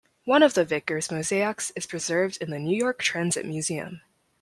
One of the Vickers mosaics is preserved in the New York Transit Museum.